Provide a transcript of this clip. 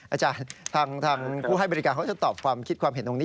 อาจารย์ทางผู้ให้บริการเขาจะตอบความคิดความเห็นตรงนี้